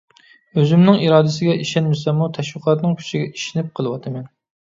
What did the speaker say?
ئۆزۈمنىڭ ئىرادىسىگە ئىشەنمىسەممۇ تەشۋىقاتنىڭ كۈچىگە ئىشىنىپ قېلىۋاتىمەن.